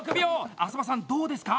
浅羽さん、どうですか？